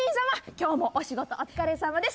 今日もお仕事お疲れさまです